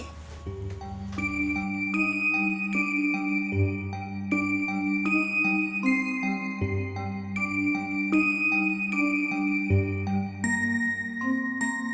dan indri yang harus